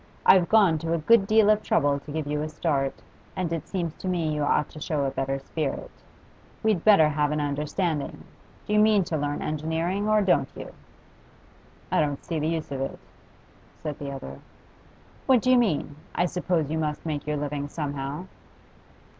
I've gone to a good deal of trouble to give you a start, and it seems to me you ought to show a better spirit. We'd better have an understanding; do you mean to learn engineering, or don't you?' 'I don't see the use of it,' said the other. 'What do you mean? I suppose you must make your living somehow?